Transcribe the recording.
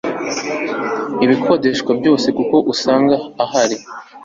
ibikodeshwa byose kuko usanga hari